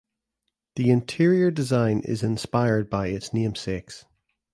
The interior design is inspired by its namesakes.